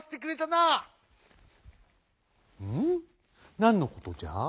なんのことじゃ？